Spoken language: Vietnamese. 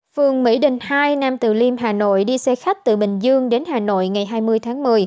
phường mỹ đình hai nam từ liêm hà nội đi xe khách từ bình dương đến hà nội ngày hai mươi tháng một mươi